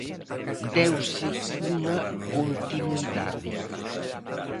Deuse unha continuidade.